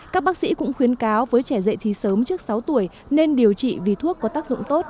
các bác sĩ cũng khuyến cáo với trẻ dạy thì sớm trước sáu tuổi nên điều trị vì thuốc có tác dụng tốt